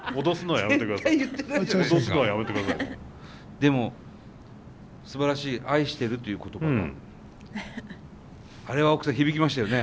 でもすばらしい愛してるっていう言葉があれは奥さん響きましたよね？